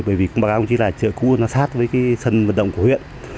bởi vì chợ cũ nó sát với sân vận động của huyện